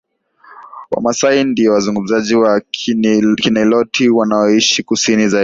Wamasai ndio wazungumzaji wa Kiniloti wanaoishi kusini zaidi